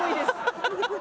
ハハハハ！